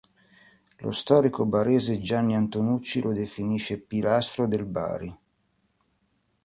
Lo storico barese Gianni Antonucci lo definisce "pilastro" del Bari.